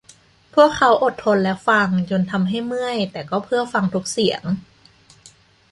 พวกเขาอดทนและฟัง จนทำให้เมื่อยแต่ก็เพื่อฟังทุกเสียง